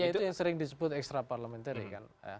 ya itu yang sering disebut extra parliamentary kan